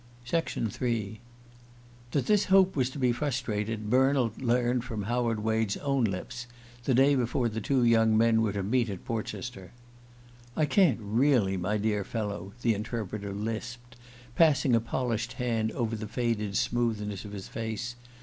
III THAT this hope was to be frustrated Bernald learned from Howland Wade's own lips, the day before the two young men were to meet at Portchester. "I can't really, my dear fellow," the Interpreter lisped, passing a polished hand over the faded smoothness of his face.